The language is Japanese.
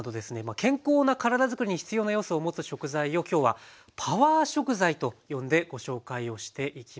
健康な体づくりに必要な要素を持つ食材を今日は「パワー食材」と呼んでご紹介をしていきます。